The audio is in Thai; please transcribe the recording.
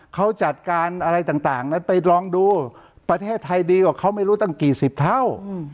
เขาจัดการอะไรต่างนั้นไปลองดูประเทศไทยดีกว่าเขาไม่รู้ตั้งกี่สิบเท่า